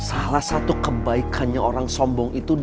salah satu kebaikannya orang sombong itu